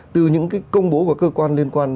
từ những cái công bố của cơ quan liên quan